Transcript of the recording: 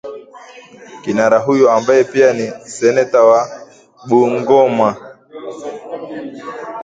Kinara huyo ambaye pia ni seneta wa Bungoma